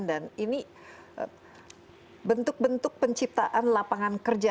dan ini bentuk bentuk penciptaan lapangan kerja